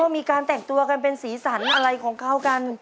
มีการแต่งตัวกันเป็นสีสันอะไรของเขากัน